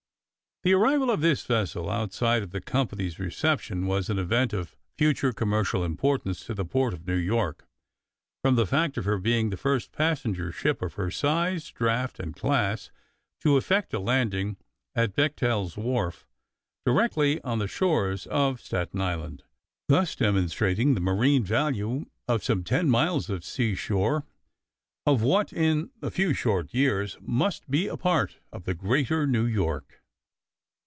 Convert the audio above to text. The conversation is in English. The arrival of this vessel, outside of the company's reception, was an event of future commercial importance to the port of New York, from the fact of her being the first passenger ship of her size, draught, and class to effect a landing (at Bechtel's wharf) directly on the shores of Staten Island, thus demonstrating the marine value of some ten miles of seashore of what in a few short years must be a part of the greater New York.